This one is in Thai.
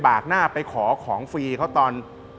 กหน้าไปขอของฟรีเขาตอน